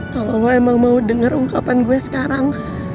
kalau lo emang mau denger ungkapan gue sekarang